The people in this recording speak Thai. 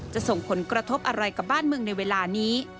ส่งผลกระทบอะไรกับบ้านเมืองในเวลานี้